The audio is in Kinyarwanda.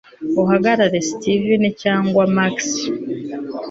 uhamagare steven cyangwa max